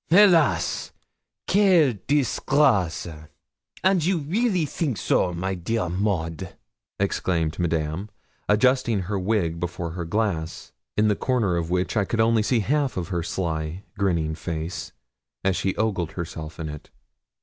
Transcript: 'Helas! Quelle disgrace! And you really think so, my dear Maud,' exclaimed Madame, adjusting her wig before her glass, in the corner of which I could see half of her sly, grinning face, as she ogled herself in it.